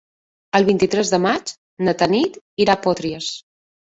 El vint-i-tres de maig na Tanit irà a Potries.